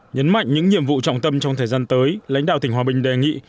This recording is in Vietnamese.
nhấn mạnh những nhiệm vụ trọng tâm trong thời gian tới lãnh đạo tỉnh hòa bình đề nghị